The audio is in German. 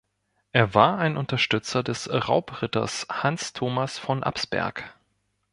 Er war ein Unterstützer des Raubritters Hans Thomas von Absberg.